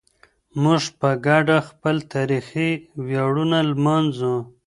موږ په ګډه خپل تاریخي ویاړونه لمانځو.